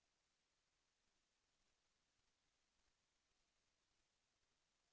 แสวได้ไงของเราก็เชียนนักอยู่ค่ะเป็นผู้ร่วมงานที่ดีมาก